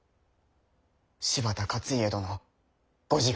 柴田勝家殿ご自害。